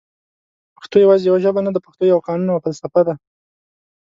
پښتو یواځي یوه ژبه نده پښتو یو قانون او فلسفه ده